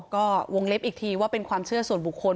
ก็วงเล็บอีกทีว่าเป็นความเชื่อส่วนบุคคล